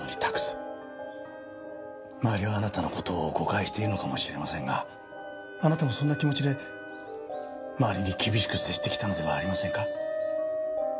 周りはあなたの事を誤解しているのかもしれませんがあなたもそんな気持ちで周りに厳しく接してきたのではありませんか？